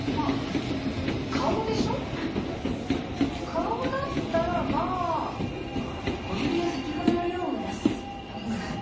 顔だったらまあこんぐらい？